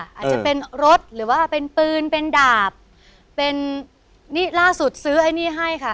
อาจจะเป็นรถหรือว่าเป็นปืนเป็นดาบเป็นนี่ล่าสุดซื้อไอ้นี่ให้ค่ะ